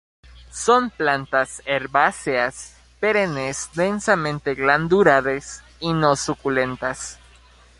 Son plantas herbáceas, perennes, densamente glandulares y no suculentas.